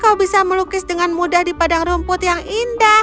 kau bisa melukis dengan mudah di padang rumput yang indah